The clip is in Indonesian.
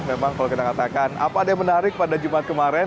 memang kalau kita katakan apa ada yang menarik pada jumat kemarin